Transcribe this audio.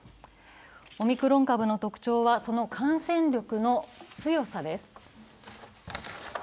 オミクロン株の特徴は、その感染力の強さです。